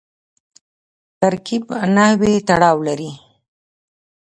ترکیب نحوي تړاو لري.